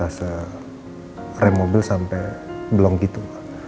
kayaknya menyebut hasil rem mobil sampe blong gitu